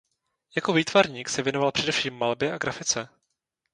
Jako výtvarník se věnoval především malbě a grafice.